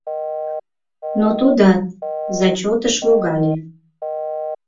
Но тудат зачётыш логале.